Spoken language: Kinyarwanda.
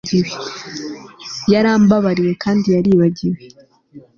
yarambabariye kandi yaribagiwe